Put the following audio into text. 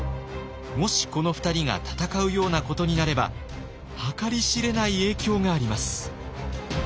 もしこの２人が戦うようなことになれば計り知れない影響があります。